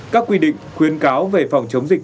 các quy định khuyến cáo về phòng chống dịch